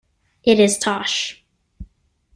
It is Tosh.